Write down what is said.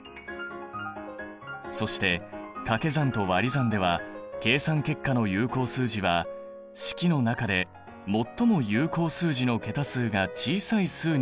そしてかけ算とわり算では計算結果の有効数字は式の中でもっとも有効数字の桁数が小さい数に合わせることになっている。